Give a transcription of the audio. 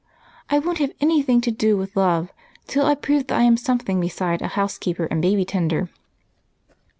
I won't have anything to do with love till I prove that I am something besides a housekeeper and baby tender!"